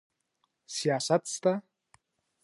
سیاست سته.